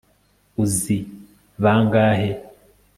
uzi bangahe